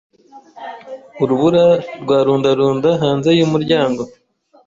Urubura rwarundarunda hanze yumuryango.